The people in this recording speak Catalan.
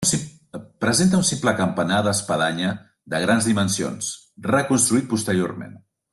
Presenta un simple campanar d'espadanya de grans dimensions, reconstruït posteriorment.